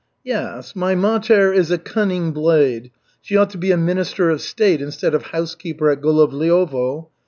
"Yes, my mater is a cunning blade. She ought to be a minister of state instead of housekeeper at Golovliovo.